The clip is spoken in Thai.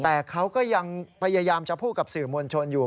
แต่เขาก็ยังพยายามจะพูดกับสื่อมวลชนอยู่